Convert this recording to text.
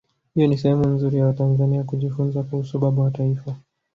hiyo ni sehemu nzuri ya watanzania kujifunza kuhusu baba wa taifa